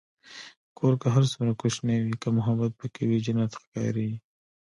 کور که هر څومره کوچنی وي، که محبت پکې وي، جنت ښکاري.